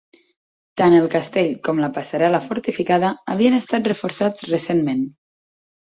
Tant el castell com la passarel·la fortificada havien estat reforçats recentment.